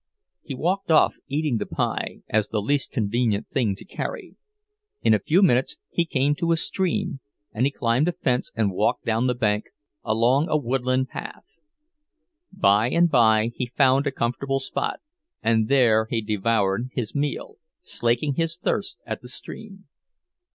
He walked off eating the pie, as the least convenient thing to carry. In a few minutes he came to a stream, and he climbed a fence and walked down the bank, along a woodland path. By and by he found a comfortable spot, and there he devoured his meal, slaking his thirst at the stream.